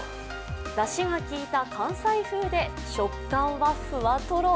だしが効いた関西風で食感はふわとろ。